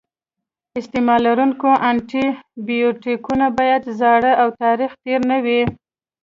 استعمالیدونکي انټي بیوټیکونه باید زاړه او تاریخ تېر نه وي.